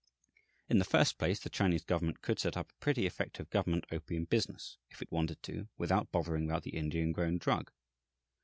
In the first place, the Chinese government could set up a pretty effective government opium business, if it wanted to, without bothering about the Indian grown drug.